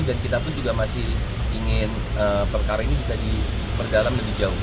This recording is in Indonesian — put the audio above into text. dan kita pun juga masih ingin perkara ini bisa diperdalam lebih jauh